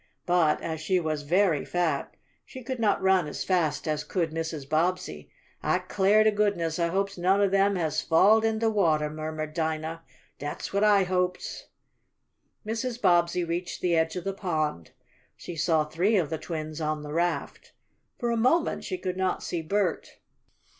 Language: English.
But, as she was very fat, she could not run as fast as could Mrs. Bobbsey. "I 'clar' to goodness I hopes none ob 'em has falled in de watah!" murmured Dinah. "Dat's whut I hopes!" Mrs. Bobbsey reached the edge of the pond. She saw three of the twins on the raft. For the moment she could not see Bert.